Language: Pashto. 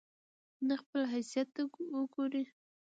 نه خپل حيثت ته وګوري